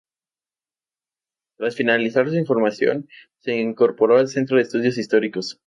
Tras finalizar su formación se incorporó al Centro de Estudios Históricos.